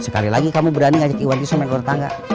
sekali lagi kamu berani ngajak iwan tison main ular tangga